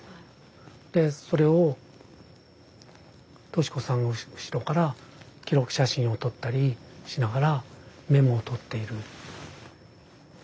でそれを敏子さんが後ろから記録写真を撮ったりしながらメモを取っている。